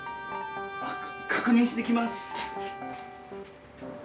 確認してきます。